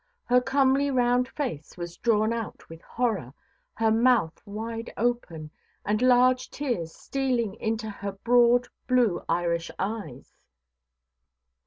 Her comely round face was drawn out with horror, her mouth wide open, and large tears stealing into her broad blue Irish eyes.